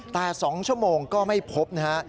แต่๒ชั่วโมงก็ไม่พบนะฮะ